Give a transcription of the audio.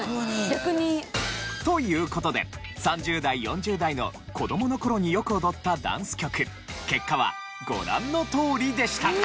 逆に。という事で３０代４０代の子どもの頃によく踊ったダンス曲結果はご覧のとおりでした。